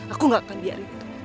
aku gak akan biarin itu